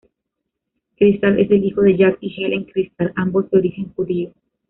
Crystal es el hijo de Jack y Helen Crystal, ambos de origen judío.